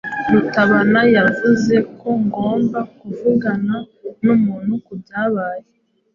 Rutabana yavuze ko ngomba kuvugana numuntu kubyabaye.